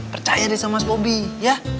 percaya diri sama mas bobi ya